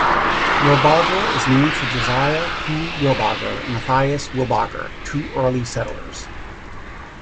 Wilbarger is named for Josiah Pugh Wilbarger and Mathias Wilbarger, two early settlers.